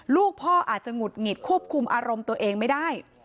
ลูกพ่ออาจจะหงุดหงิดควบคุมอารมณ์ตัวเองไม่ได้